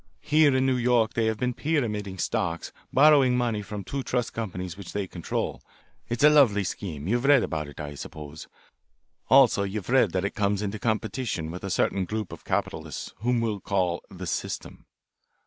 Here in New York they have been pyramiding stocks, borrowing money from two trust companies which they control. It's a lovely scheme you've read about it, I suppose. Also you've read that it comes into competition with a certain group of capitalists whom we will call 'the System.'